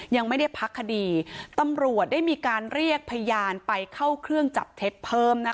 ยังไม่ได้พักคดีตำรวจได้มีการเรียกพยานไปเข้าเครื่องจับเท็จเพิ่มนะคะ